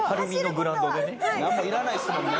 なんもいらないですもんね。